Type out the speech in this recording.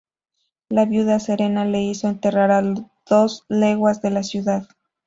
La viuda Serena lo hizo enterrar a dos leguas de la ciudad.